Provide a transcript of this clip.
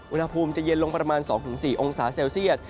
อุณหภูมิจะเย็นลงประมาณ๒๔องศาเซลเซียต